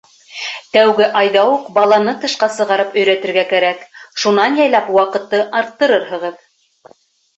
Тәүге айҙа уҡ баланы тышҡа сығарып өйрәтергә кәрәк, шунан яйлап ваҡытты арттырырһығыҙ.